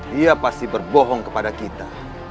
dia pasti berbohong kepada kita